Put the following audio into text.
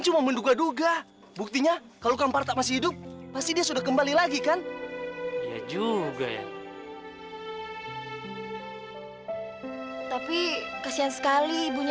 jangan lupa subscribe dan salahkan saluran ini